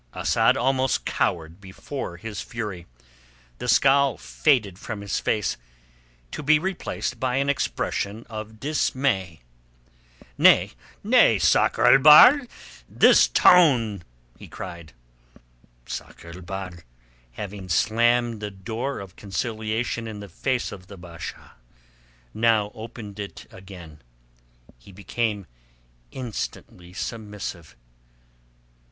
Asad almost cowered before his fury. The scowl faded from his face to be replaced by an expression of dismay. "Nay, nay, Sakr el Bahr, this tone!" he cried. Sakr el Bahr, having slammed the door of conciliation in the face of the Basha, now opened it again. He became instantly submissive.